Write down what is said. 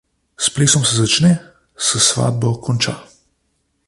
S plesom se začne, s svatbo konča.